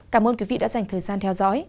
cảm ơn quý vị đã dành thời gian theo dõi